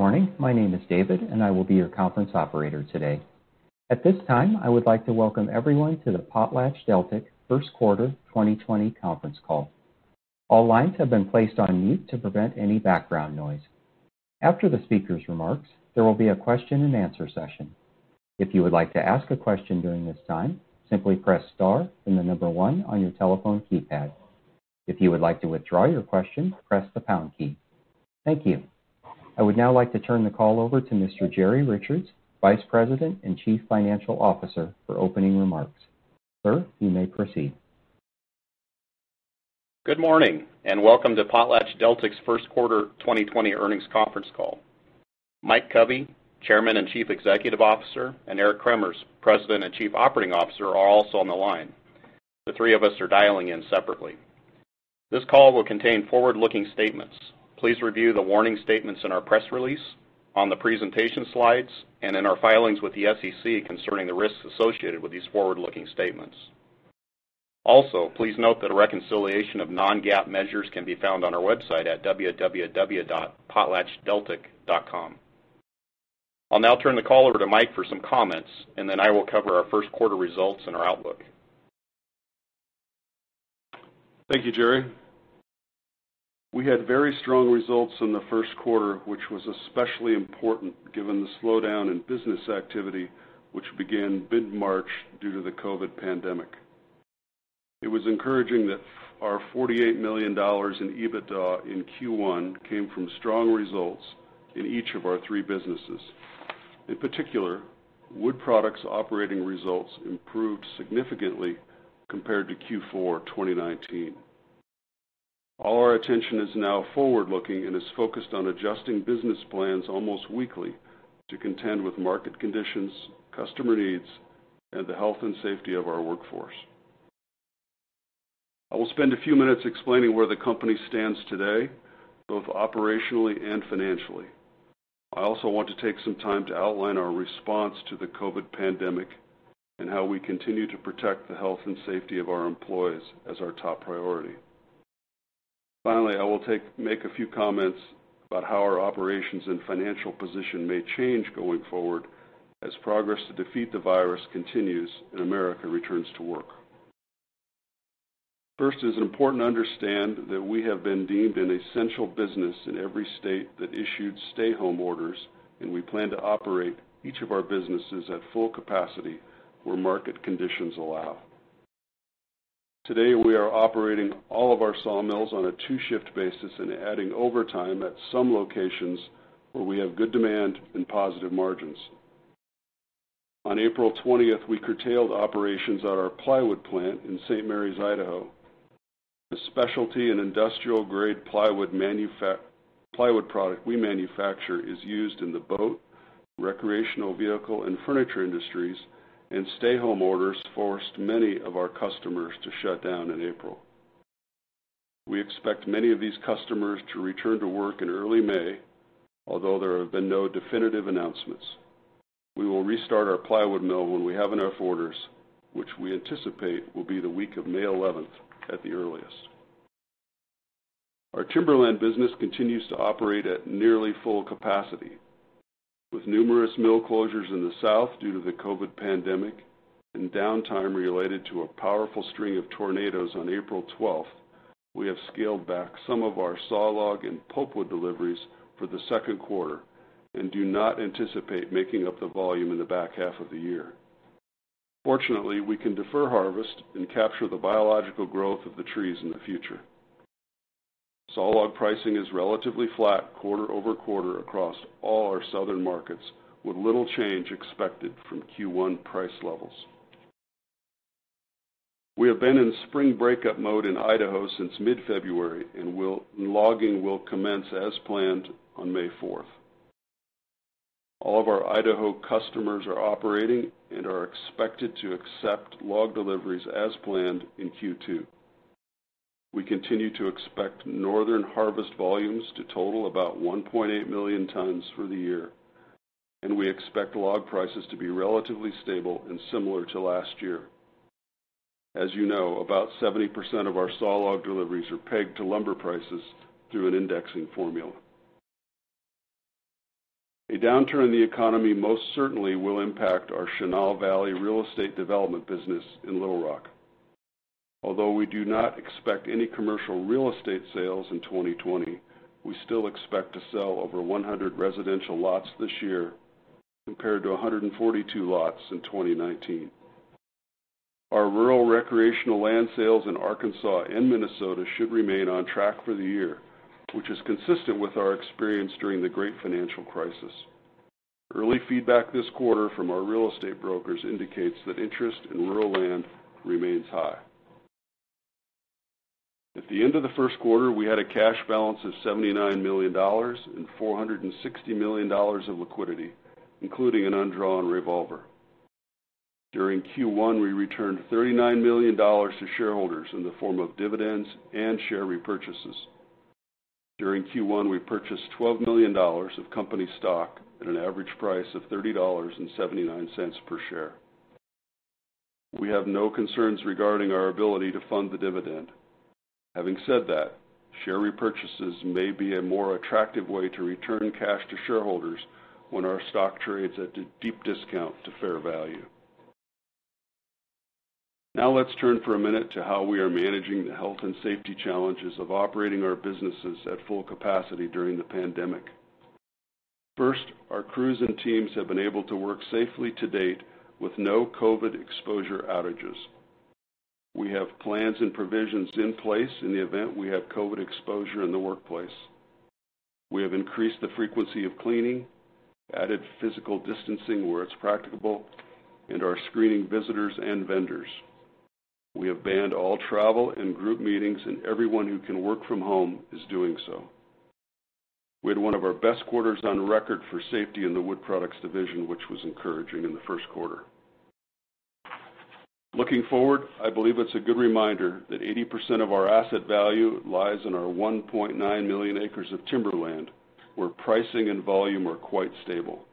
Good morning. My name is David, and I will be your conference operator today. At this time, I would like to welcome everyone to the PotlatchDeltic First Quarter 2020 conference call. All lines have been placed on mute to prevent any background noise. After the speakers' remarks, there will be a question-and-answer session. If you would like to ask a question during this time, simply press star and the number one on your telephone keypad. If you would like to withdraw your question, press the pound key. Thank you. I would now like to turn the call over to Mr. Jerry Richards, Vice President and Chief Financial Officer, for opening remarks. Sir, you may proceed. Good morning, and welcome to PotlatchDeltic's First Quarter 2020 earnings conference call. Mike Covey, Chairman and Chief Executive Officer, and Eric Cremers, President and Chief Operating Officer, are also on the line. The three of us are dialing in separately. This call will contain forward-looking statements. Please review the warning statements in our press release, on the presentation slides, and in our filings with the SEC concerning the risks associated with these forward-looking statements. Also, please note that a reconciliation of non-GAAP measures can be found on our website at www.potlatchdeltic.com. I'll now turn the call over to Mike for some comments, and then I will cover our first quarter results and our outlook. Thank you, Jerry. We had very strong results in the first quarter, which was especially important given the slowdown in business activity, which began mid-March due to the COVID pandemic. It was encouraging that our $48 million in EBITDA in Q1 came from strong results in each of our three businesses. In particular, Wood Products operating results improved significantly compared to Q4 2019. All our attention is now forward-looking and is focused on adjusting business plans almost weekly to contend with market conditions, customer needs, and the health and safety of our workforce. I will spend a few minutes explaining where the company stands today, both operationally and financially. I also want to take some time to outline our response to the COVID pandemic and how we continue to protect the health and safety of our employees as our top priority. Finally, I will make a few comments about how our operations and financial position may change going forward as progress to defeat the virus continues and America returns to work. First, it is important to understand that we have been deemed an essential business in every state that issued stay-home orders, and we plan to operate each of our businesses at full capacity where market conditions allow. Today, we are operating all of our sawmills on a two-shift basis and adding overtime at some locations where we have good demand and positive margins. On April 20th, we curtailed operations at our plywood plant in St. Maries, Idaho. The specialty and industrial-grade plywood product we manufacture is used in the boat, recreational vehicle, and furniture industries, and stay-home orders forced many of our customers to shut down in April. We expect many of these customers to return to work in early May, although there have been no definitive announcements. We will restart our plywood mill when we have enough orders, which we anticipate will be the week of May 11th at the earliest. Our timberland business continues to operate at nearly full capacity. With numerous mill closures in the South due to the COVID pandemic and downtime related to a powerful string of tornadoes on April 12th, we have scaled back some of our sawlog and pulpwood deliveries for the second quarter and do not anticipate making up the volume in the back half of the year. Fortunately, we can defer harvest and capture the biological growth of the trees in the future. Sawlog pricing is relatively flat quarter-over-quarter across all our southern markets, with little change expected from Q1 price levels. We have been in spring breakup mode in Idaho since mid-February, and logging will commence as planned on May 4th. All of our Idaho customers are operating and are expected to accept log deliveries as planned in Q2. We continue to expect northern harvest volumes to total about 1.8 million tons for the year, and we expect log prices to be relatively stable and similar to last year. As you know, about 70% of our sawlog deliveries are pegged to lumber prices through an indexing formula. A downturn in the economy most certainly will impact our Chenal Valley real estate development business in Little Rock. Although we do not expect any commercial real estate sales in 2020, we still expect to sell over 100 residential lots this year, compared to 142 lots in 2019. Our rural recreational land sales in Arkansas and Minnesota should remain on track for the year, which is consistent with our experience during the great financial crisis. Early feedback this quarter from our real estate brokers indicates that interest in rural land remains high. At the end of the first quarter, we had a cash balance of $79 million and $460 million of liquidity, including an undrawn revolver. During Q1, we returned $39 million to shareholders in the form of dividends and share repurchases. During Q1, we purchased $12 million of company stock at an average price of $30.79 per share. We have no concerns regarding our ability to fund the dividend. Having said that, share repurchases may be a more attractive way to return cash to shareholders when our stock trades at a deep discount to fair value. Now let's turn for a minute to how we are managing the health and safety challenges of operating our businesses at full capacity during the pandemic. First, our crews and teams have been able to work safely to date with no COVID exposure outages. We have plans and provisions in place in the event we have COVID exposure in the workplace. We have increased the frequency of cleaning, added physical distancing where it's practicable, and are screening visitors and vendors. We have banned all travel and group meetings, and everyone who can work from home is doing so. We had one of our best quarters on record for safety in the Wood Products division, which was encouraging in the first quarter. Looking forward, I believe it's a good reminder that 80% of our asset value lies in our 1.9 million acres of timberland, where pricing and volume are quite stable.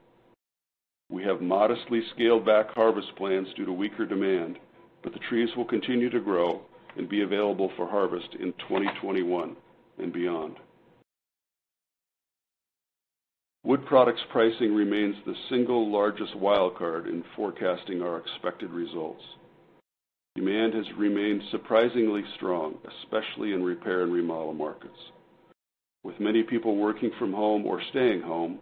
We have modestly scaled back harvest plans due to weaker demand, but the trees will continue to grow and be available for harvest in 2021 and beyond. Wood Products pricing remains the single largest wild card in forecasting our expected results. Demand has remained surprisingly strong, especially in repair and remodel markets. With many people working from home or staying home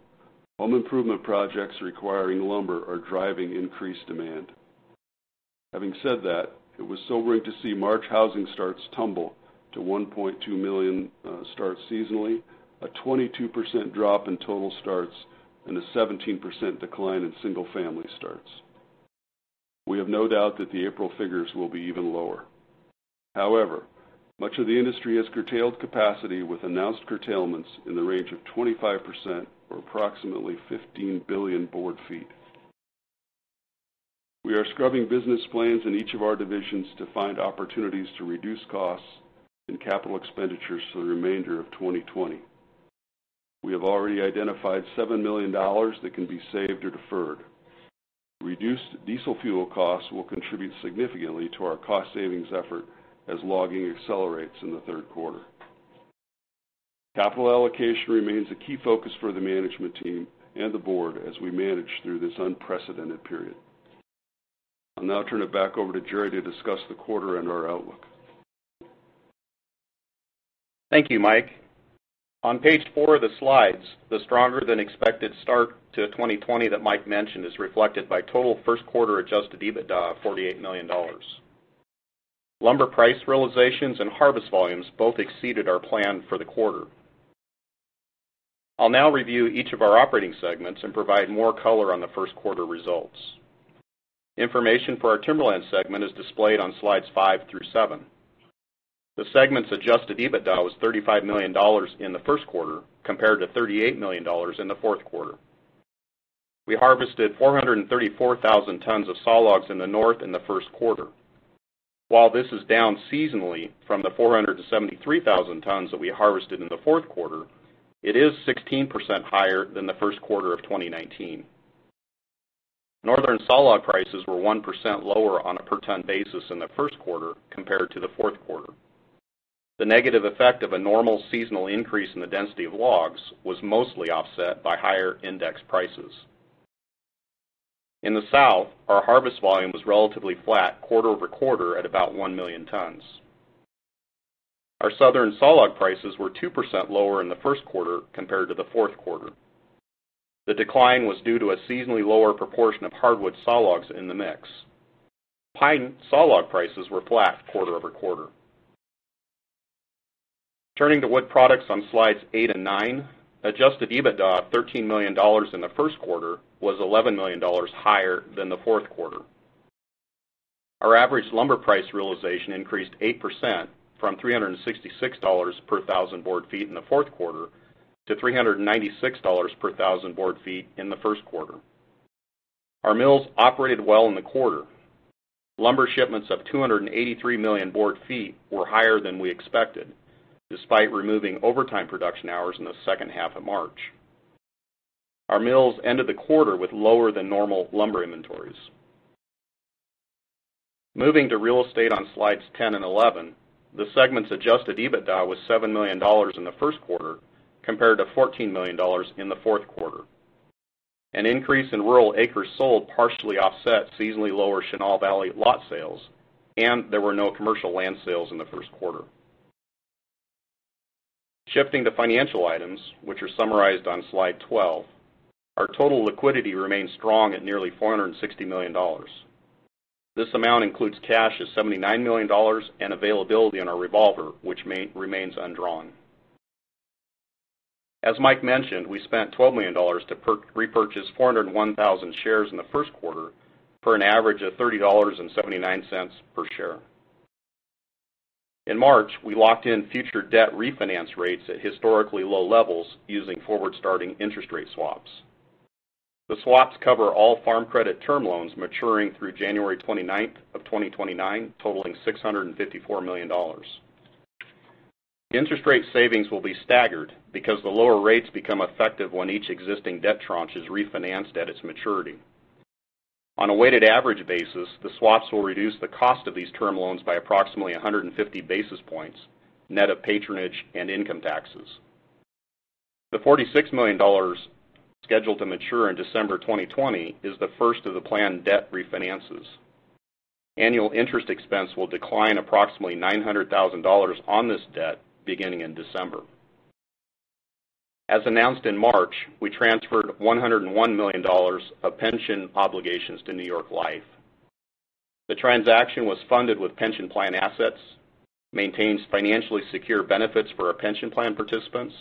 improvement projects requiring lumber are driving increased demand. Having said that, it was sobering to see March housing starts tumble to 1.2 million starts seasonally, a 22% drop in total starts, and a 17% decline in single-family starts. We have no doubt that the April figures will be even lower. However, much of the industry has curtailed capacity with announced curtailments in the range of 25% or approximately 15 billion board feet. We are scrubbing business plans in each of our divisions to find opportunities to reduce costs and capital expenditures for the remainder of 2020. We have already identified $7 million that can be saved or deferred. Reduced diesel fuel costs will contribute significantly to our cost savings effort as logging accelerates in the third quarter. Capital allocation remains a key focus for the management team and the board as we manage through this unprecedented period. I'll now turn it back over to Jerry to discuss the quarter and our outlook. Thank you, Mike. On page four of the slides, the stronger-than-expected start to 2020 that Mike mentioned is reflected by total first quarter adjusted EBITDA of $48 million. Lumber price realizations and harvest volumes both exceeded our plan for the quarter. I'll now review each of our operating segments and provide more color on the first quarter results. Information for our Timberland segment is displayed on slides five through seven. The segment's adjusted EBITDA was $35 million in the first quarter, compared to $38 million in the fourth quarter. We harvested 434,000 tons of sawlogs in the North in the first quarter. While this is down seasonally from the 473,000 tons that we harvested in the fourth quarter, it is 16% higher than the first quarter of 2019. Northern sawlog prices were 1% lower on a per-ton basis in the first quarter compared to the fourth quarter. The negative effect of a normal seasonal increase in the density of logs was mostly offset by higher index prices. In the South, our harvest volume was relatively flat quarter-over-quarter at about 1 million tons. Our Southern sawlog prices were 2% lower in the first quarter compared to the fourth quarter. The decline was due to a seasonally lower proportion of hardwood sawlogs in the mix. Pine sawlog prices were flat quarter-over-quarter. Turning to Wood Products on slides eight and nine, adjusted EBITDA of $13 million in the first quarter was $11 million higher than the fourth quarter. Our average lumber price realization increased 8%, from $366 per thousand board feet in the fourth quarter to $396 per thousand board feet in the first quarter. Our mills operated well in the quarter. Lumber shipments of 283 million board feet were higher than we expected, despite removing overtime production hours in the second half of March. Our mills ended the quarter with lower than normal lumber inventories. Moving to Real Estate on slides 10 and 11, the segment's adjusted EBITDA was $7 million in the first quarter, compared to $14 million in the fourth quarter. An increase in rural acres sold partially offset seasonally lower Chenal Valley lot sales, and there were no commercial land sales in the first quarter. Shifting to financial items, which are summarized on slide 12, our total liquidity remains strong at nearly $460 million. This amount includes cash of $79 million and availability on our revolver, which remains undrawn. As Mike mentioned, we spent $12 million to repurchase 401,000 shares in the first quarter for an average of $30.79 per share. In March, we locked in future debt refinance rates at historically low levels using forward-starting interest rate swaps. The swaps cover all Farm Credit term loans maturing through January 29th of 2029, totaling $654 million. The interest rate savings will be staggered because the lower rates become effective when each existing debt tranche is refinanced at its maturity. On a weighted average basis, the swaps will reduce the cost of these term loans by approximately 150 basis points, net of patronage and income taxes. The $46 million scheduled to mature in December 2020 is the first of the planned debt refinances. Annual interest expense will decline approximately $900,000 on this debt beginning in December. As announced in March, we transferred $101 million of pension obligations to New York Life. The transaction was funded with pension plan assets, maintains financially secure benefits for our pension plan participants,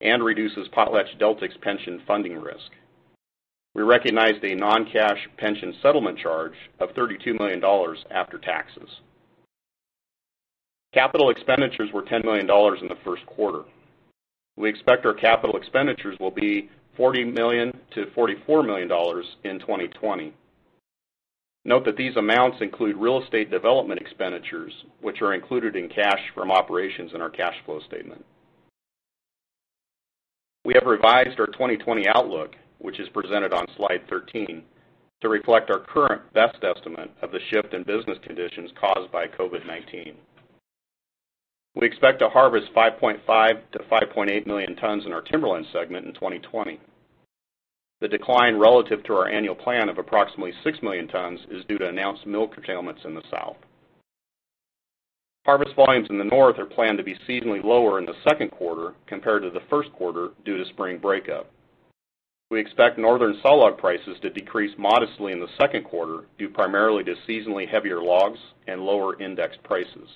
and reduces PotlatchDeltic's pension funding risk. We recognized a non-cash pension settlement charge of $32 million after taxes. Capital expenditures were $10 million in the first quarter. We expect our capital expenditures will be $40 million-$44 million in 2020. Note that these amounts include real estate development expenditures, which are included in cash from operations in our cash flow statement. We have revised our 2020 outlook, which is presented on slide 13, to reflect our current best estimate of the shift in business conditions caused by COVID-19. We expect to harvest 5.5 to 5.8 million tons in our Timberlands segment in 2020. The decline relative to our annual plan of approximately 6 million tons is due to announced mill curtailments in the South. Harvest volumes in the North are planned to be seasonally lower in the second quarter compared to the first quarter due to spring breakup. We expect Northern sawlog prices to decrease modestly in the second quarter due primarily to seasonally heavier logs and lower indexed prices.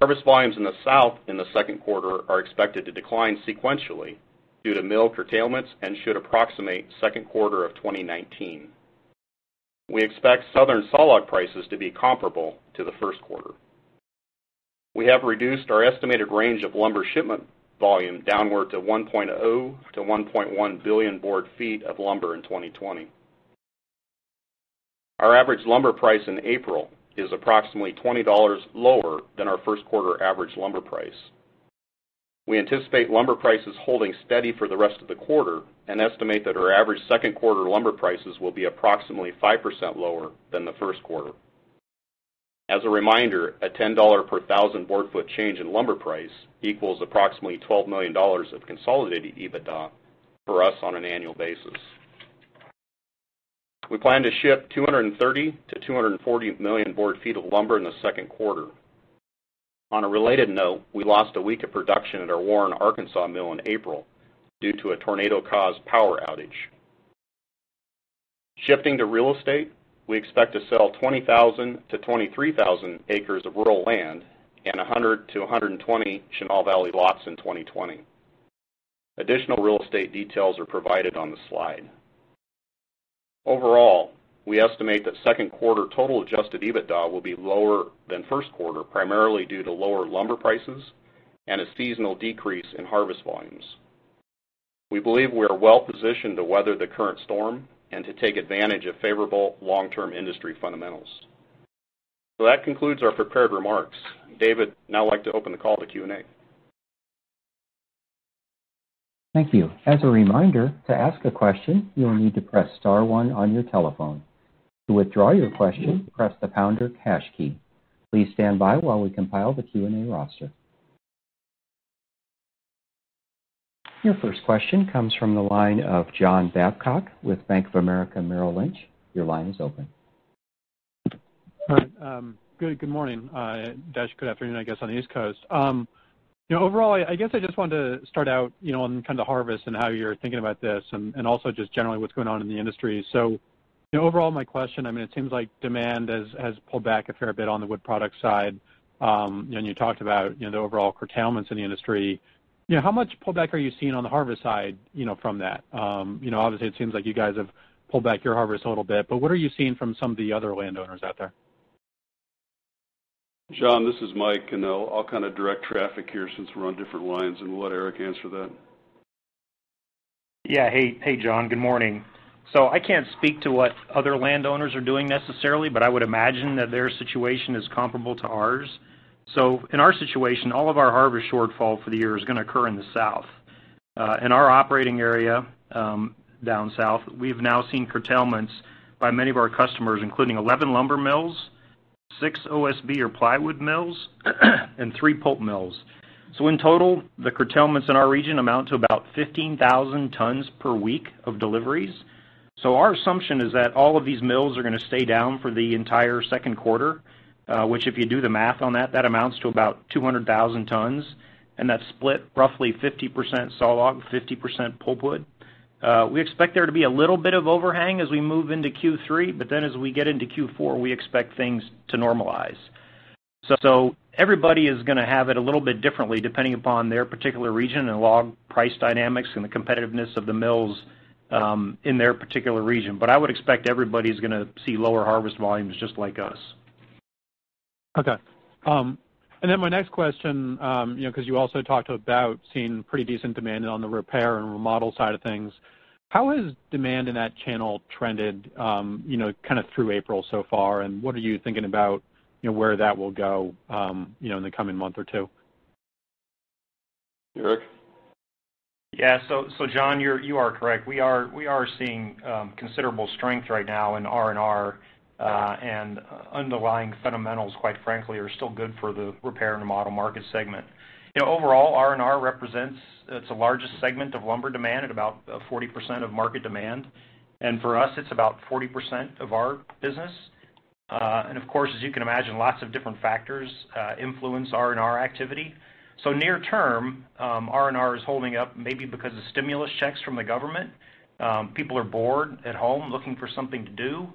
Harvest volumes in the South in the second quarter are expected to decline sequentially due to mill curtailments and should approximate second quarter of 2019. We expect Southern sawlog prices to be comparable to the first quarter. We have reduced our estimated range of lumber shipment volume downward to 1.0 billion-1.1 billion board ft of lumber in 2020. Our average lumber price in April is approximately $20 lower than our first quarter average lumber price. We anticipate lumber prices holding steady for the rest of the quarter and estimate that our average second quarter lumber prices will be approximately 5% lower than the first quarter. As a reminder, a $10 per thousand board foot change in lumber price equals approximately $12 million of consolidated EBITDA for us on an annual basis. We plan to ship 230 million-240 million board ft of lumber in the second quarter. On a related note, we lost a week of production at our Warren, Arkansas mill in April due to a tornado-caused power outage. Shifting to real estate, we expect to sell 20,000-23,000 acres of rural land and 100-120 Chenal Valley lots in 2020. Additional real estate details are provided on the slide. Overall, we estimate that second quarter total adjusted EBITDA will be lower than first quarter, primarily due to lower lumber prices and a seasonal decrease in harvest volumes. We believe we are well positioned to weather the current storm and to take advantage of favorable long-term industry fundamentals. That concludes our prepared remarks. David, now I'd like to open the call to Q&A. Thank you. As a reminder, to ask a question, you will need to press star one on your telephone. To withdraw your question, press the pound or hash key. Please stand by while we compile the Q&A roster. Your first question comes from the line of John Babcock with Bank of America Merrill Lynch. Your line is open. All right. Good morning. Good afternoon, I guess, on the East Coast. I just wanted to start out on the harvest and how you're thinking about this and also just generally what's going on in the industry. My question, it seems like demand has pulled back a fair bit on the wood products side. You talked about the overall curtailments in the industry. How much pullback are you seeing on the harvest side from that? It seems like you guys have pulled back your harvest a little bit, but what are you seeing from some of the other landowners out there? John, this is Mike, and I'll kind of direct traffic here since we're on different lines, and we'll let Eric answer that. Hey, John. Good morning. I can't speak to what other landowners are doing necessarily, but I would imagine that their situation is comparable to ours. In our situation, all of our harvest shortfall for the year is going to occur in the South. In our operating area down South, we've now seen curtailments by many of our customers, including 11 lumber mills, six OSB or plywood mills, and three pulp mills. In total, the curtailments in our region amount to about 15,000 tons per week of deliveries. Our assumption is that all of these mills are going to stay down for the entire second quarter, which if you do the math on that amounts to about 200,000 tons, and that's split roughly 50% sawlog, 50% pulpwood. We expect there to be a little bit of overhang as we move into Q3, but then as we get into Q4, we expect things to normalize. Everybody is going to have it a little bit differently depending upon their particular region and log price dynamics and the competitiveness of the mills in their particular region. I would expect everybody's going to see lower harvest volumes just like us. Okay. My next question, because you also talked about seeing pretty decent demand on the repair and remodel side of things, how has demand in that channel trended through April so far? What are you thinking about where that will go in the coming month or two? Eric? Yeah. John, you are correct. We are seeing considerable strength right now in R&R, and underlying fundamentals, quite frankly, are still good for the repair and remodel market segment. Overall, R&R, it's the largest segment of lumber demand at about 40% of market demand. For us, it's about 40% of our business. Of course, as you can imagine, lots of different factors influence R&R activity. Near term, R&R is holding up maybe because of stimulus checks from the government. People are bored at home looking for something to do.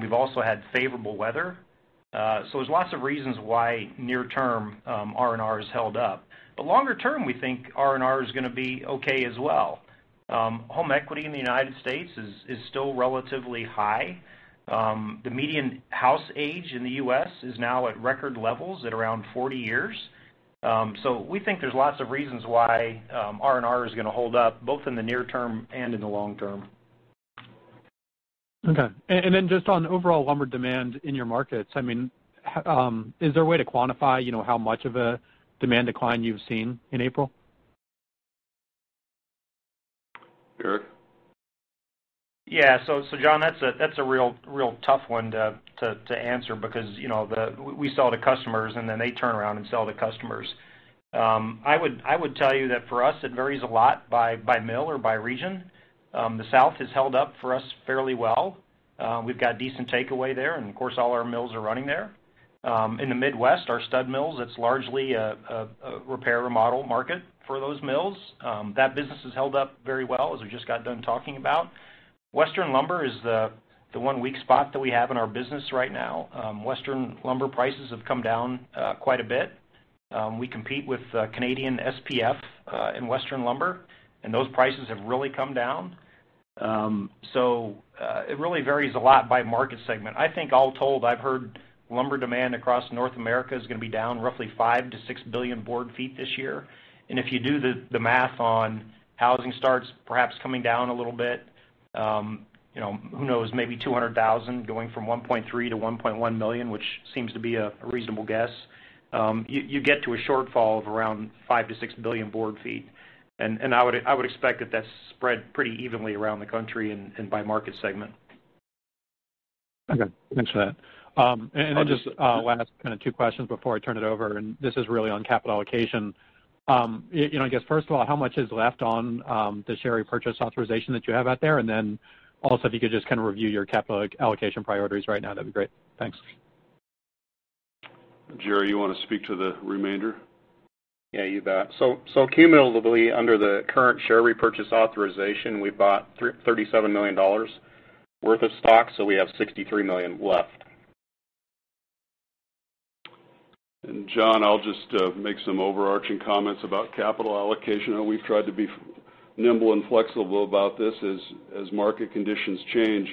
We've also had favorable weather. There's lots of reasons why near term R&R has held up. Longer term, we think R&R is going to be okay as well. Home equity in the United States is still relatively high. The median house age in the U.S., is now at record levels at around 40 years. We think there's lots of reasons why R&R is going to hold up, both in the near term and in the long term. Okay. Just on overall lumber demand in your markets, is there a way to quantify how much of a demand decline you've seen in April? Eric? John, that's a real tough one to answer because we sell to customers, and then they turn around and sell to customers. I would tell you that for us, it varies a lot by mill or by region. The South has held up for us fairly well. We've got decent takeaway there, and of course, all our mills are running there. In the Midwest, our stud mills, it's largely a repair, remodel market for those mills. That business has held up very well as we just got done talking about. Western lumber is the one weak spot that we have in our business right now. Western lumber prices have come down quite a bit. We compete with Canadian SPF in Western lumber, those prices have really come down. It really varies a lot by market segment. I think all told, I've heard lumber demand across North America is going to be down roughly 5 billion-6 billion board ft this year. If you do the math on housing starts perhaps coming down a little bit, who knows, maybe 200,000 going from 1.3 million-1.1 million, which seems to be a reasonable guess, you get to a shortfall of around 5 billion-6 billion board ft. I would expect that that's spread pretty evenly around the country and by market segment. Okay. Thanks for that. Okay. Just last, two questions before I turn it over, and this is really on capital allocation. I guess first of all, how much is left on the share repurchase authorization that you have out there? If you could just review your capital allocation priorities right now, that'd be great. Thanks. Jerry, you want to speak to the remainder? Yeah, you bet. Cumulatively, under the current share repurchase authorization, we bought $37 million worth of stock. We have $63 million left. John, I'll just make some overarching comments about capital allocation. We've tried to be nimble and flexible about this as market conditions change.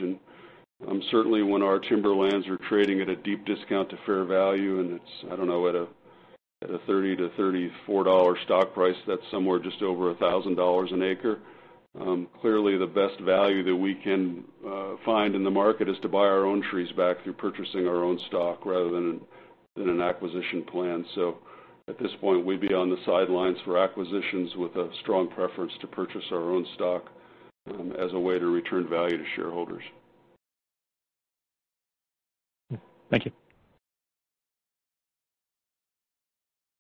Certainly when our timberlands are trading at a deep discount to fair value, and it's, I don't know, at a $30-$34 stock price, that's somewhere just over $1,000 an acre. Clearly, the best value that we can find in the market is to buy our own trees back through purchasing our own stock rather than an acquisition plan. At this point, we'd be on the sidelines for acquisitions with a strong preference to purchase our own stock as a way to return value to shareholders. Thank you.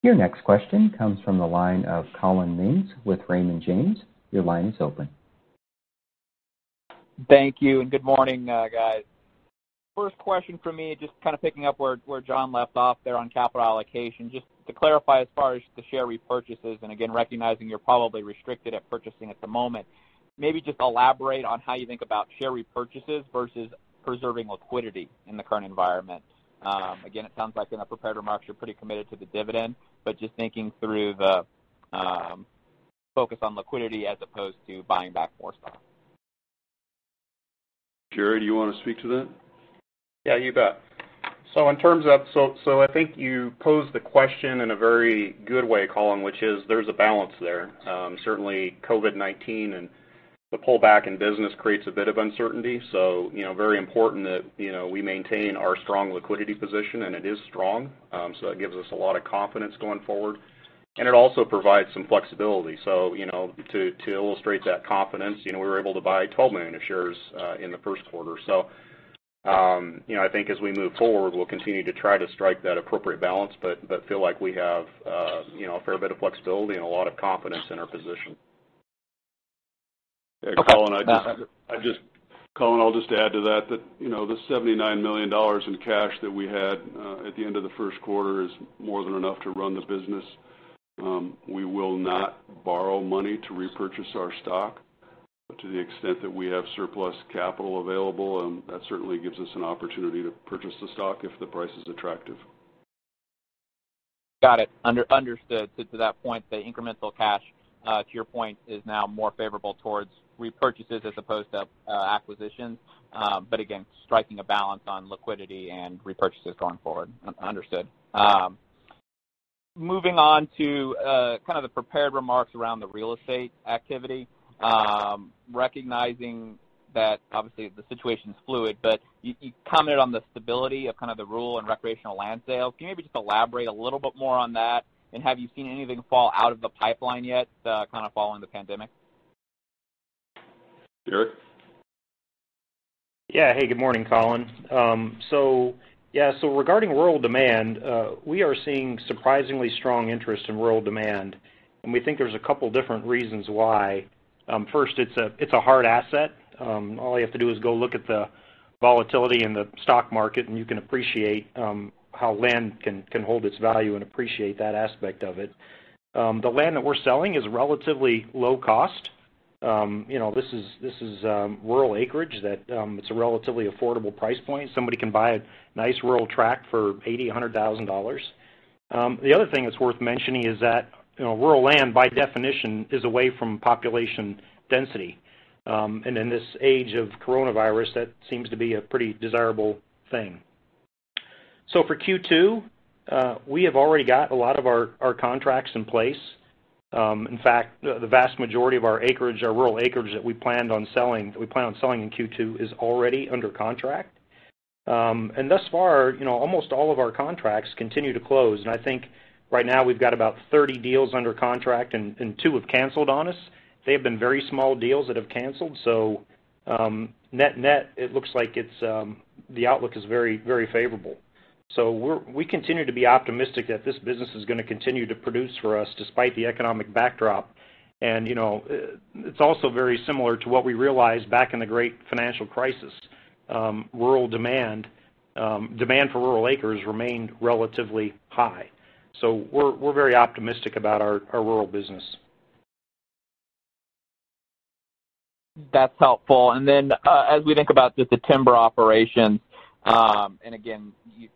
Your next question comes from the line of Collin Mings with Raymond James. Your line is open. Thank you. Good morning, guys. First question from me, just kind of picking up where John left off there on capital allocation. Just to clarify as far as the share repurchases, and again, recognizing you're probably restricted at purchasing at the moment, maybe just elaborate on how you think about share repurchases versus preserving liquidity in the current environment. Again, it sounds like in the prepared remarks you're pretty committed to the dividend, but just thinking through the focus on liquidity as opposed to buying back more stock. Jerry, do you want to speak to that? Yeah, you bet. I think you posed the question in a very good way, Collin, which is there's a balance there. Certainly COVID-19 and the pullback in business creates a bit of uncertainty, so very important that we maintain our strong liquidity position, and it is strong. That gives us a lot of confidence going forward, and it also provides some flexibility. To illustrate that confidence, we were able to buy $12 million of shares in the first quarter. I think as we move forward, we'll continue to try to strike that appropriate balance, but feel like we have a fair bit of flexibility and a lot of confidence in our position. Okay. Collin, I'll just add to that the $79 million in cash that we had at the end of the first quarter is more than enough to run the business. We will not borrow money to repurchase our stock to the extent that we have surplus capital available. That certainly gives us an opportunity to purchase the stock if the price is attractive. Got it. Understood. To that point, the incremental cash, to your point, is now more favorable towards repurchases as opposed to acquisitions. Again, striking a balance on liquidity and repurchases going forward. Understood. Moving on to kind of the prepared remarks around the real estate activity, recognizing that obviously the situation is fluid, but you commented on the stability of kind of the rural in recreational land sales. Can you maybe just elaborate a little bit more on that, and have you seen anything fall out of the pipeline yet following the pandemic? Eric? Yeah. Hey, good morning, Collin. Yeah, regarding rural demand, we are seeing surprisingly strong interest in rural demand, and we think there's a couple different reasons why. First, it's a hard asset. All you have to do is go look at the volatility in the stock market, and you can appreciate how land can hold its value and appreciate that aspect of it. The land that we're selling is relatively low cost. This is rural acreage that it's a relatively affordable price point. Somebody can buy a nice rural tract for $80,000, $100,000. The other thing that's worth mentioning is that rural land, by definition, is away from population density. In this age of coronavirus, that seems to be a pretty desirable thing. For Q2, we have already got a lot of our contracts in place. In fact, the vast majority of our rural acreage that we plan on selling in Q2 is already under contract. Thus far, almost all of our contracts continue to close. I think right now we've got about 30 deals under contract and two have canceled on us. They have been very small deals that have canceled. Net-net, it looks like the outlook is very favorable. We continue to be optimistic that this business is going to continue to produce for us despite the economic backdrop. It's also very similar to what we realized back in the Great Financial Crisis. Demand for rural acres remained relatively high. We're very optimistic about our rural business. That's helpful. As we think about just the timber operations, and again, you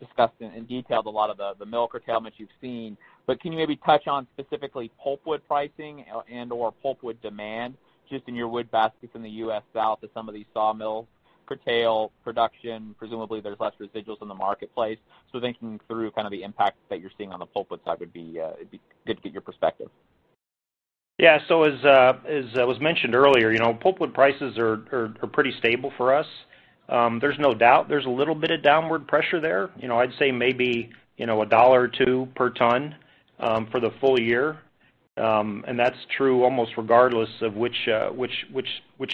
discussed and detailed a lot of the mill curtailments you've seen, but can you maybe touch on specifically pulpwood pricing and/or pulpwood demand just in your wood baskets in the US South as some of these sawmills curtail production? Presumably there's less residuals in the marketplace. Thinking through kind of the impact that you're seeing on the pulpwood side would be good to get your perspective. As was mentioned earlier, pulpwood prices are pretty stable for us. There's no doubt there's a little bit of downward pressure there. I'd say maybe $1 or $2 per ton for the full year. That's true almost regardless of which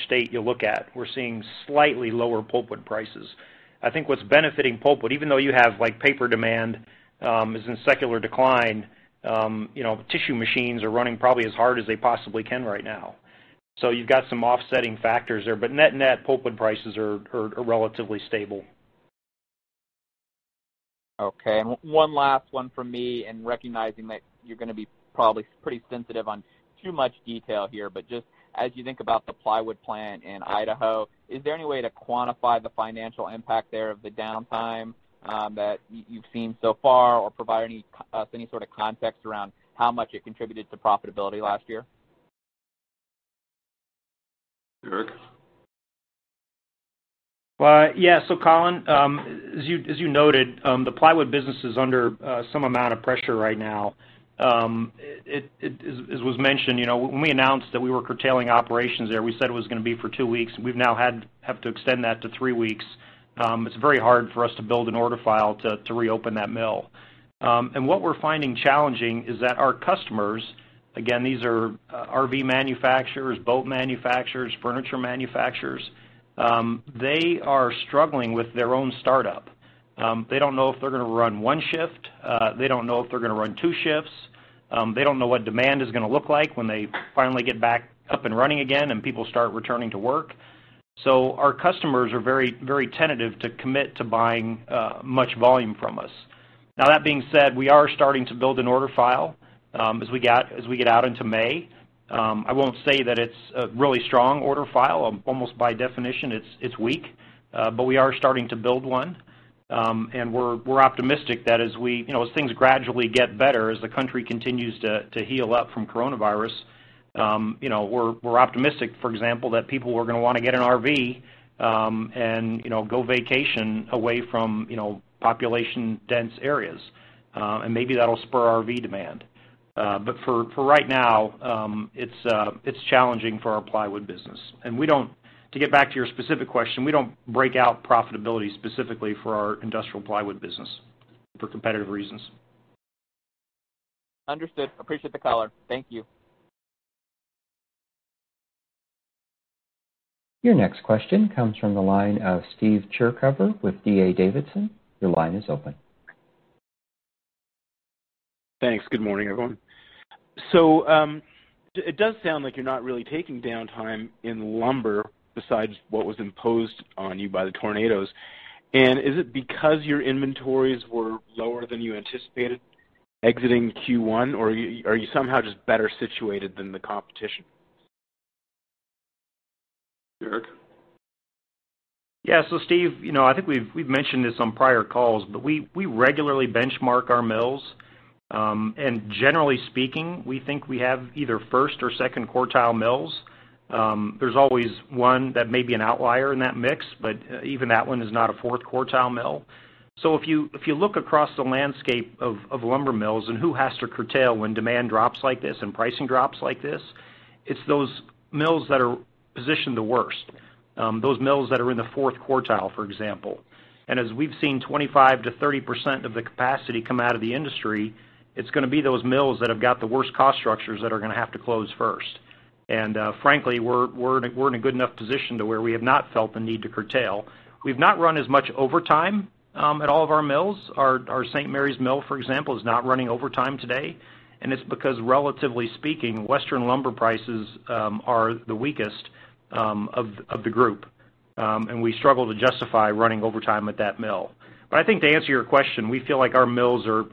state you look at. We're seeing slightly lower pulpwood prices. I think what's benefiting pulpwood, even though you have paper demand is in secular decline, tissue machines are running probably as hard as they possibly can right now. You've got some offsetting factors there. Net-net, pulpwood prices are relatively stable. Okay. One last one from me, and recognizing that you're going to be probably pretty sensitive on too much detail here, but just as you think about the plywood plant in Idaho, is there any way to quantify the financial impact there of the downtime that you've seen so far, or provide us any sort of context around how much it contributed to profitability last year? Eric? Collin, as you noted, the plywood business is under some amount of pressure right now. As was mentioned, when we announced that we were curtailing operations there, we said it was going to be for two weeks, and we now have to extend that to three weeks. It's very hard for us to build an order file to reopen that mill. What we're finding challenging is that our customers, again, these are RV manufacturers, boat manufacturers, furniture manufacturers, they are struggling with their own startup. They don't know if they're going to run one shift. They don't know if they're going to run two shifts. They don't know what demand is going to look like when they finally get back up and running again, and people start returning to work. Our customers are very tentative to commit to buying much volume from us. That being said, we are starting to build an order file as we get out into May. I won't say that it's a really strong order file. Almost by definition, it's weak, but we are starting to build one. We're optimistic that as things gradually get better, as the country continues to heal up from COVID-19, we're optimistic, for example, that people are going to want to get an RV and go vacation away from population-dense areas. Maybe that'll spur RV demand. For right now, it's challenging for our plywood business. To get back to your specific question, we don't break out profitability specifically for our industrial plywood business for competitive reasons. Understood. Appreciate the color. Thank you. Your next question comes from the line of Steve Chercover with D.A. Davidson. Your line is open. Thanks. Good morning, everyone. It does sound like you're not really taking downtime in lumber besides what was imposed on you by the tornadoes. Is it because your inventories were lower than you anticipated exiting Q1 or are you somehow just better situated than the competition? Eric? Steve, I think we've mentioned this on prior calls, but we regularly benchmark our mills. Generally speaking, we think we have either first or second quartile mills. There's always one that may be an outlier in that mix, but even that one is not a fourth quartile mill. If you look across the landscape of lumber mills and who has to curtail when demand drops like this and pricing drops like this, it's those mills that are positioned the worst. Those mills that are in the fourth quartile, for example. As we've seen 25%-30% of the capacity come out of the industry, it's going to be those mills that have got the worst cost structures that are going to have to close first. Frankly, we're in a good enough position to where we have not felt the need to curtail. We've not run as much overtime at all of our mills. Our St. Maries mill, for example, is not running overtime today, and it's because relatively speaking, Western lumber prices are the weakest of the group, and we struggle to justify running overtime at that mill. I think to answer your question, we feel like our mills are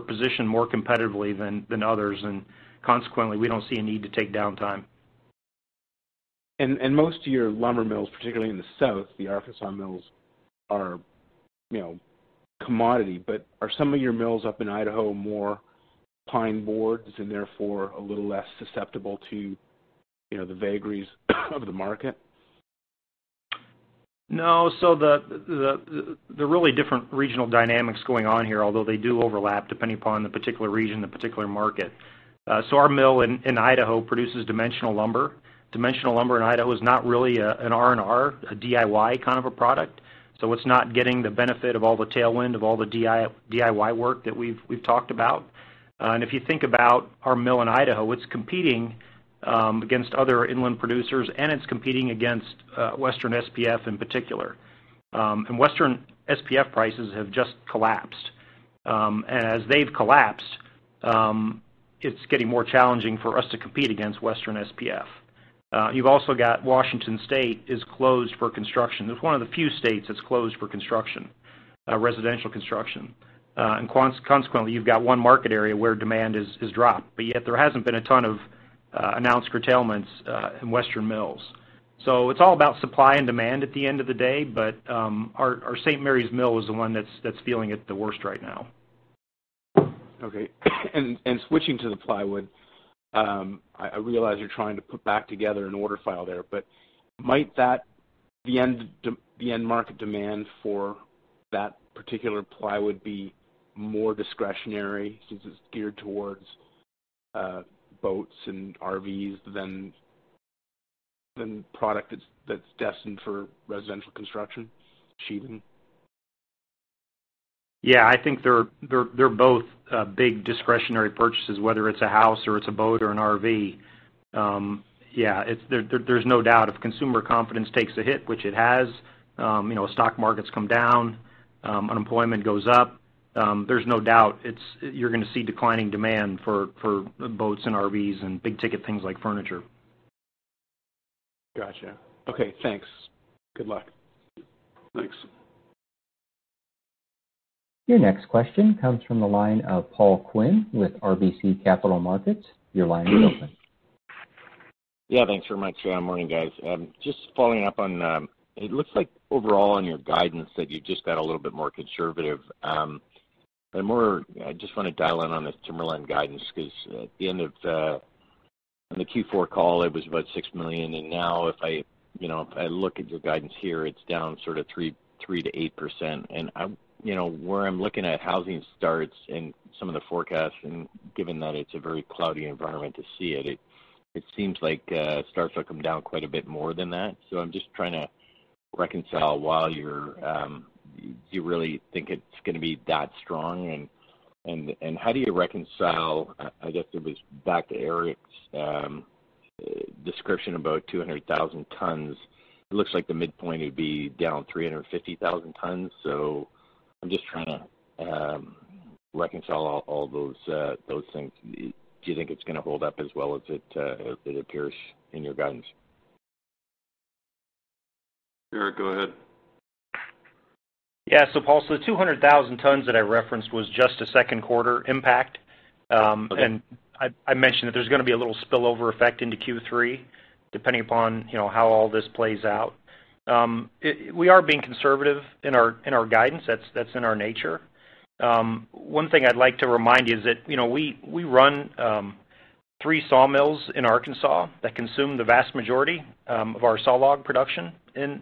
positioned more competitively than others, and consequently, we don't see a need to take downtime. Most of your lumber mills, particularly in the South, the Arkansas mills are commodity, but are some of your mills up in Idaho more pine boards and therefore a little less susceptible to the vagaries of the market? No. There are really different regional dynamics going on here, although they do overlap depending upon the particular region, the particular market. Our mill in Idaho produces dimensional lumber. Dimensional lumber in Idaho is not really an R&R, a DIY kind of a product, so it's not getting the benefit of all the tailwind of all the DIY work that we've talked about. If you think about our mill in Idaho, it's competing against other inland producers, and it's competing against Western SPF in particular. Western SPF prices have just collapsed. As they've collapsed, it's getting more challenging for us to compete against Western SPF. You've also got Washington State is closed for construction. It's one of the few states that's closed for construction, residential construction. Consequently, you've got one market area where demand has dropped, but yet there hasn't been a ton of announced curtailments in Western mills. It's all about supply and demand at the end of the day, but our St. Maries mill is the one that's feeling it the worst right now. Okay. Switching to the plywood, I realize you're trying to put back together an order file there, but might the end market demand for that particular plywood be more discretionary since it's geared towards boats and RVs than product that's destined for residential construction, sheathing? I think they're both big discretionary purchases, whether it's a house or it's a boat or an RV. There's no doubt if consumer confidence takes a hit, which it has, stock markets come down, unemployment goes up, there's no doubt you're going to see declining demand for boats and RVs and big-ticket things like furniture. Got you. Okay, thanks. Good luck. Thanks. Your next question comes from the line of Paul Quinn with RBC Capital Markets. Your line is open. Yeah, thanks very much. Morning, guys. Just following up on, it looks like overall on your guidance that you just got a little bit more conservative. I just want to dial in on the Timberland guidance because at the end of the Q4 call, it was about $6 million, and now if I look at your guidance here, it's down sort of 3%-8%. Where I'm looking at housing starts and some of the forecasts, and given that it's a very cloudy environment to see it seems like starts will come down quite a bit more than that. I'm just trying to reconcile, do you really think it's going to be that strong? How do you reconcile, I guess it was back to Eric's description about 200,000 tons. It looks like the midpoint would be down 350,000 tons, so I'm just trying to reconcile all those things. Do you think it's going to hold up as well as it appears in your guidance? Eric, go ahead. Yeah. Paul, the 200,000 tons that I referenced was just a second quarter impact. Okay. I mentioned that there's going to be a little spillover effect into Q3 depending upon how all this plays out. We are being conservative in our guidance. That's in our nature. One thing I'd like to remind you is that we run three sawmills in Arkansas that consume the vast majority of our sawlog production in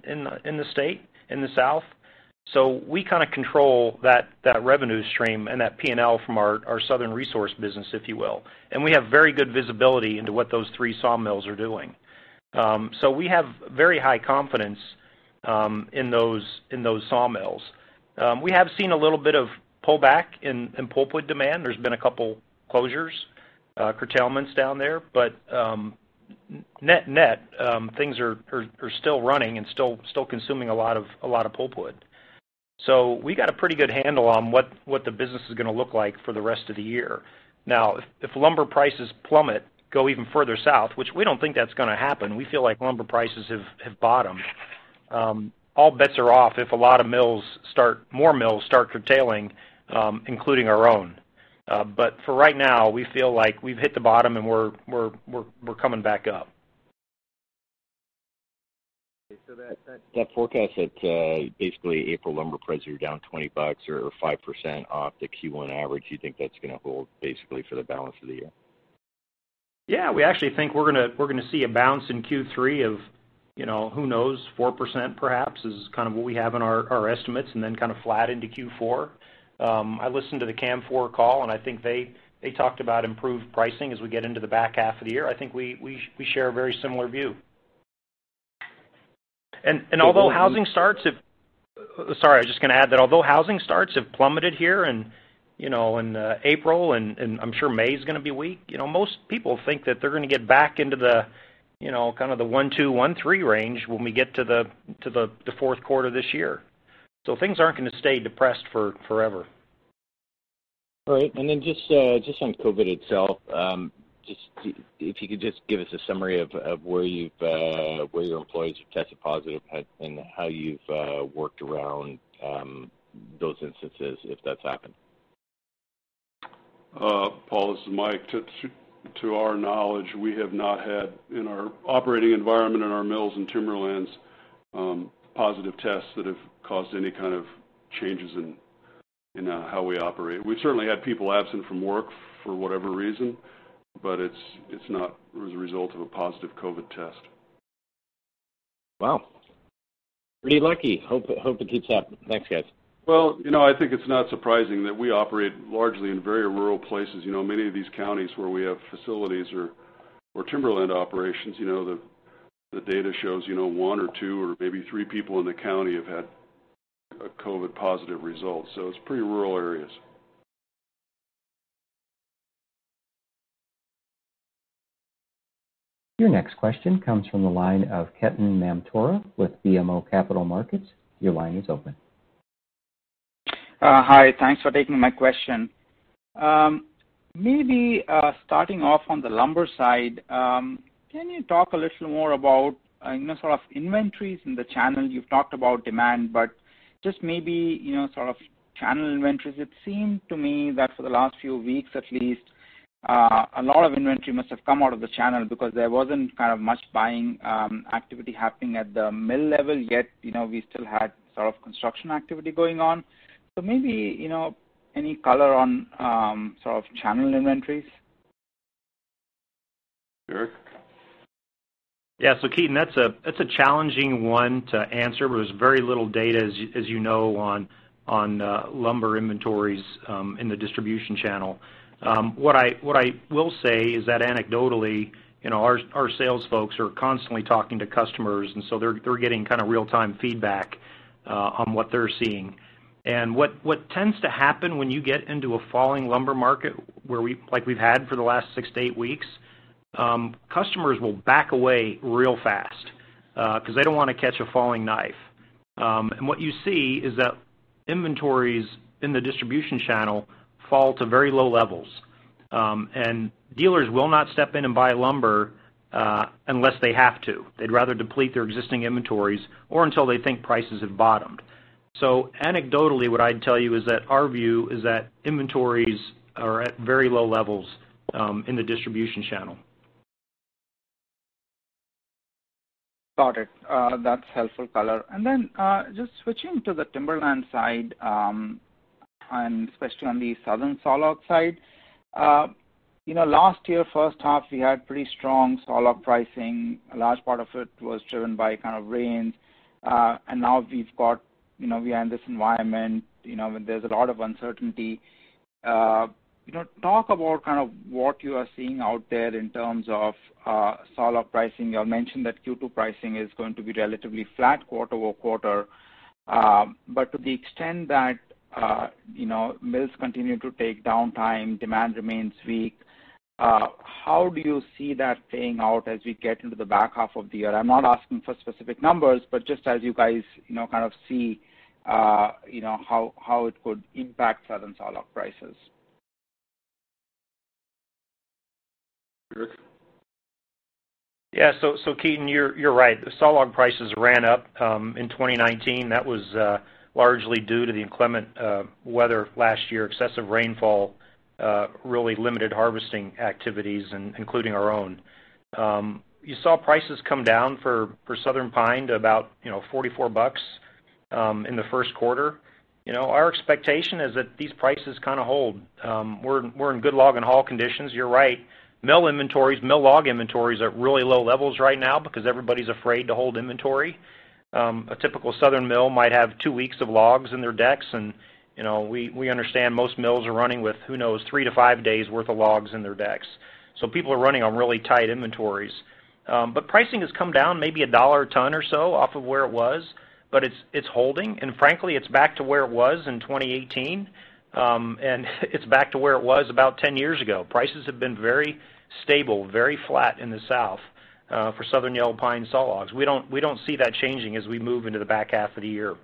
the state, in the South. We kind of control that revenue stream and that P&L from our southern resource business, if you will. We have very good visibility into what those three sawmills are doing. We have very high confidence in those sawmills. We have seen a little bit of pullback in pulpwood demand. There's been a couple closures, curtailments down there, but net, things are still running and still consuming a lot of pulpwood. We got a pretty good handle on what the business is going to look like for the rest of the year. Now, if lumber prices plummet, go even further south, which we don't think that's going to happen, we feel like lumber prices have bottomed, all bets are off if a lot of mills start, more mills start curtailing, including our own. For right now, we feel like we've hit the bottom and we're coming back up. That forecast that basically April lumber prices are down $20 or 5% off the Q1 average, you think that's going to hold basically for the balance of the year? Yeah, we actually think we're going to see a bounce in Q3 of who knows, 4% perhaps is kind of what we have in our estimates, and then kind of flat into Q4. I listened to the Canfor call, and I think they talked about improved pricing as we get into the back half of the year. I think we share a very similar view. Although housing starts have plummeted here in April, and I'm sure May's going to be weak. Most people think that they're going to get back into the kind of the 1.2, 1.3 range when we get to the fourth quarter of this year. Things aren't going to stay depressed forever. All right. Just on COVID itself, if you could just give us a summary of where your employees have tested positive, and how you've worked around those instances, if that's happened. Paul, this is Mike. To our knowledge, we have not had, in our operating environment, in our mills and timberlands, positive tests that have caused any kind of changes in how we operate. We've certainly had people absent from work for whatever reason, but it's not as a result of a positive COVID test. Wow. Pretty lucky. Hope it keeps up. Thanks, guys. I think it's not surprising that we operate largely in very rural places. Many of these counties where we have facilities or timberland operations, the data shows one or two or maybe three people in the county have had a COVID positive result, so it's pretty rural areas. Your next question comes from the line of Ketan Mamtora with BMO Capital Markets. Your line is open. Hi, thanks for taking my question. Maybe starting off on the lumber side, can you talk a little more about sort of inventories in the channel? You've talked about demand, but just maybe sort of channel inventories. It seemed to me that for the last few weeks at least, a lot of inventory must have come out of the channel because there wasn't kind of much buying activity happening at the mill level. Yet, we still had sort of construction activity going on. Maybe any color on sort of channel inventories? Eric? Ketan, that's a challenging one to answer. There's very little data, as you know, on lumber inventories in the distribution channel. What I will say is that anecdotally, our sales folks are constantly talking to customers, they're getting kind of real-time feedback on what they're seeing. What tends to happen when you get into a falling lumber market like we've had for the last six to eight weeks, customers will back away real fast because they don't want to catch a falling knife. What you see is that inventories in the distribution channel fall to very low levels. Dealers will not step in and buy lumber unless they have to. They'd rather deplete their existing inventories or until they think prices have bottomed. Anecdotally, what I'd tell you is that our view is that inventories are at very low levels in the distribution channel. Got it. That's helpful color. Just switching to the timberland side, and especially on the southern sawlog side. Last year, first half, we had pretty strong sawlog pricing. A large part of it was driven by kind of rains. Now we are in this environment where there's a lot of uncertainty. Talk about kind of what you are seeing out there in terms of sawlog pricing. You mentioned that Q2 pricing is going to be relatively flat quarter-over-quarter. To the extent that mills continue to take downtime, demand remains weak, how do you see that playing out as we get into the back half of the year? I'm not asking for specific numbers, but just as you guys kind of see how it could impact southern sawlog prices. Eric? Yeah. Ketan, you're right. The sawlog prices ran up in 2019. That was largely due to the inclement weather last year. Excessive rainfall really limited harvesting activities, including our own. You saw prices come down for southern pine to about $44 in the first quarter. Our expectation is that these prices kind of hold. We're in good log and haul conditions. You're right, mill log inventories are at really low levels right now because everybody's afraid to hold inventory. A typical southern mill might have two weeks of logs in their decks, and we understand most mills are running with, who knows, three to five days worth of logs in their decks. People are running on really tight inventories. Pricing has come down maybe $1 a ton or so off of where it was, but it's holding, and frankly, it's back to where it was in 2018. It's back to where it was about 10 years ago. Prices have been very stable, very flat in the South for southern yellow pine sawlogs. We don't see that changing as we move into the back half of the year.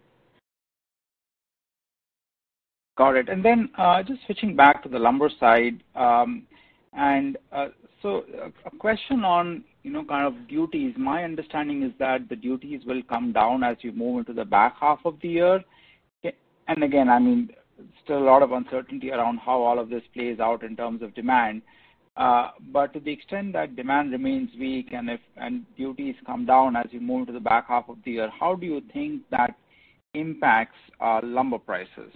Got it. Just switching back to the lumber side. A question on kind of duties. My understanding is that the duties will come down as you move into the back half of the year. I mean, still a lot of uncertainty around how all of this plays out in terms of demand. To the extent that demand remains weak and duties come down as you move into the back half of the year, how do you think that impacts lumber prices?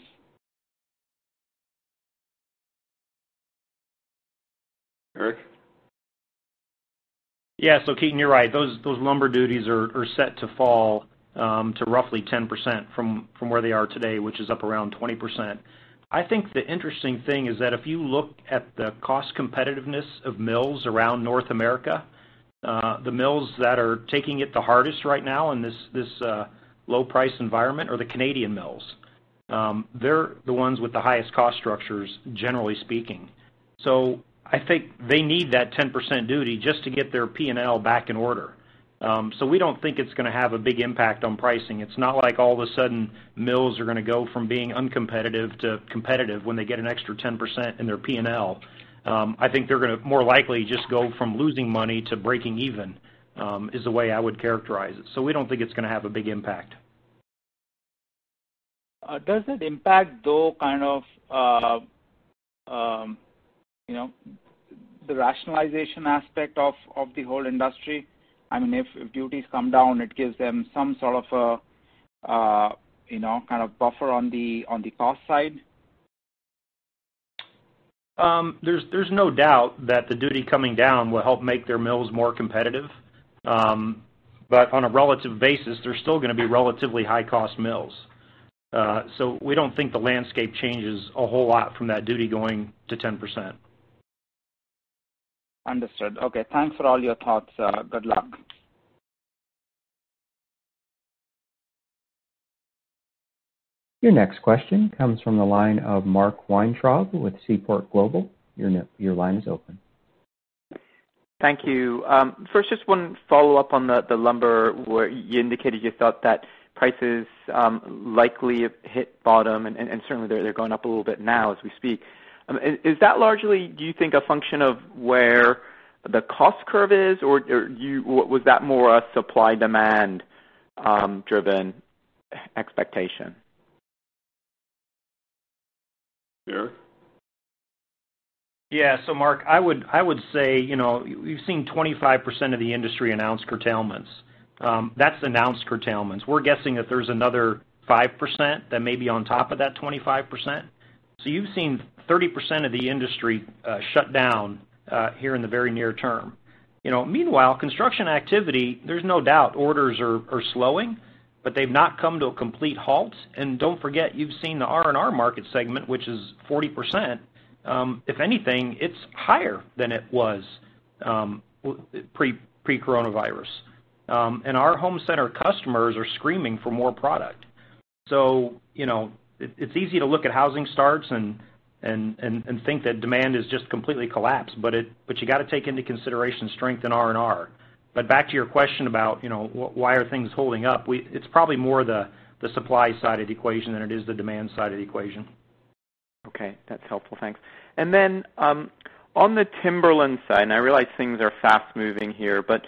Eric? Yeah. Ketan, you're right. Those lumber duties are set to fall to roughly 10% from where they are today, which is up around 20%. I think the interesting thing is that if you look at the cost competitiveness of mills around North America, the mills that are taking it the hardest right now in this low-price environment are the Canadian mills. They're the ones with the highest cost structures, generally speaking. I think they need that 10% duty just to get their P&L back in order. We don't think it's going to have a big impact on pricing. It's not like all of a sudden mills are going to go from being uncompetitive to competitive when they get an extra 10% in their P&L. I think they're going to more likely just go from losing money to breaking even, is the way I would characterize it. We don't think it's going to have a big impact. Does it impact, though, kind of the rationalization aspect of the whole industry? If duties come down, it gives them some sort of buffer on the cost side? There's no doubt that the duty coming down will help make their mills more competitive. On a relative basis, they're still going to be relatively high-cost mills. We don't think the landscape changes a whole lot from that duty going to 10%. Understood. Okay. Thanks for all your thoughts. Good luck. Your next question comes from the line of Mark Weintraub with Seaport Global. Your line is open. Thank you. First, just one follow-up on the lumber where you indicated you thought that prices likely have hit bottom, and certainly they're going up a little bit now as we speak. Is that largely, do you think, a function of where the cost curve is, or was that more a supply-demand driven expectation? Jerry? Yeah. Mark, I would say, we've seen 25% of the industry announce curtailments. That's announced curtailments. We're guessing that there's another 5% that may be on top of that 25%. You've seen 30% of the industry shut down here in the very near term. Meanwhile, construction activity, there's no doubt orders are slowing, but they've not come to a complete halt. Don't forget, you've seen the R&R market segment, which is 40%. If anything, it's higher than it was pre-coronavirus. Our home center customers are screaming for more product. It's easy to look at housing starts and think that demand is just completely collapsed. You got to take into consideration strength in R&R. Back to your question about why are things holding up, it's probably more the supply side of the equation than it is the demand side of the equation. Okay. That's helpful. Thanks. Then, on the timberland side, and I realize things are fast-moving here, but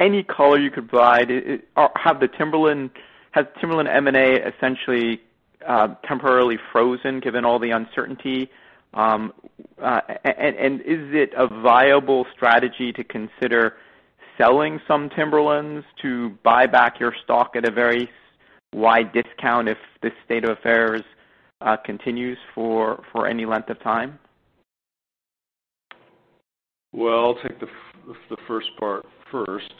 any color you could provide, has timberland M&A essentially temporarily frozen given all the uncertainty? Is it a viable strategy to consider selling some timberlands to buy back your stock at a very wide discount if this state of affairs continues for any length of time? I'll take the first part first.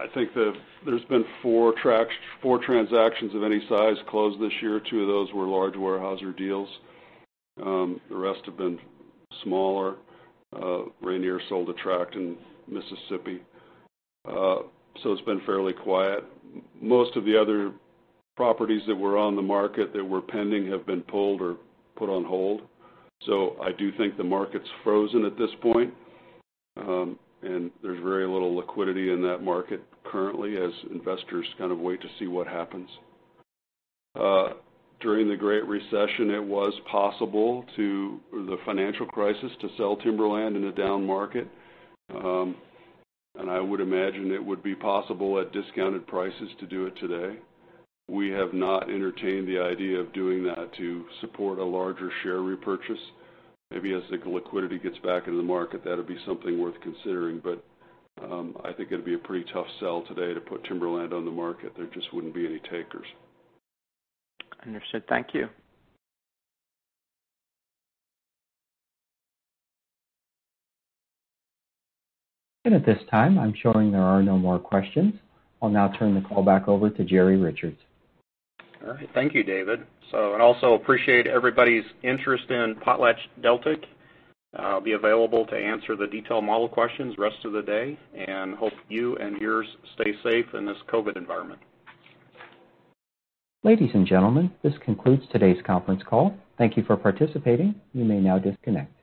I think that there's been four transactions of any size closed this year. Two of those were large Weyerhaeuser deals. The rest have been smaller. Rayonier sold a tract in Mississippi. It's been fairly quiet. Most of the other properties that were on the market that were pending have been pulled or put on hold. I do think the market's frozen at this point. There's very little liquidity in that market currently as investors kind of wait to see what happens. During the Great Recession, it was possible, the financial crisis, to sell timberland in a down market. I would imagine it would be possible at discounted prices to do it today. We have not entertained the idea of doing that to support a larger share repurchase. Maybe as the liquidity gets back into the market, that'd be something worth considering, but I think it'd be a pretty tough sell today to put timberland on the market. There just wouldn't be any takers. Understood. Thank you. At this time, I'm showing there are no more questions. I'll now turn the call back over to Jerry Richards. All right. Thank you, David. I also appreciate everybody's interest in PotlatchDeltic. I'll be available to answer the detailed model questions rest of the day, and hope you and yours stay safe in this COVID environment. Ladies and gentlemen, this concludes today's conference call. Thank you for participating. You may now disconnect.